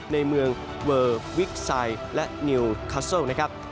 ในเมืองเวอร์วิกไซด์และนิวคัสเซิลนะครับ